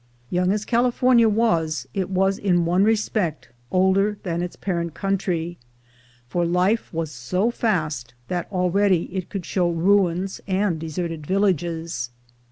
Young as California "was, it was in one respect older than its parent country, for life was so fast that al ready it could show niins and deserted villages.